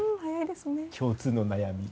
共通の悩み。